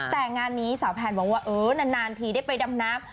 แต่งานนี้สาวแพนบอกว่าเออนานทีได้ไปดำน้ำ